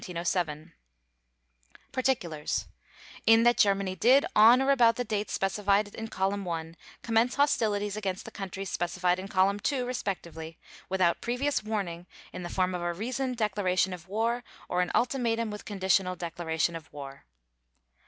_ PARTICULARS: In that Germany did, on or about the dates specified in Column 1, commence hostilities against the Countries specified in Column 2, respectively, without previous warning in the form of a reasoned declaration of war or an ultimatum with conditional declaration of war.